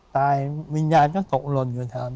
วิญญาณก็ตกหล่นอยู่แถวนั้น